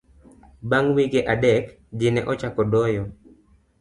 bang' wige adek ji ne ochako doyo